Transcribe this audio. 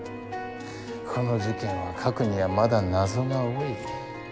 この事件は書くにはまだ謎が多い。